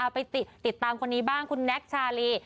ไปติดตามคนนี้บ้างคุณแน็กชาลี